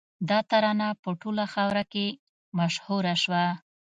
دا ترانه په ټوله خاوره کې مشهوره شوه